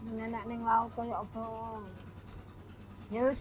ini anaknya melaut ya allah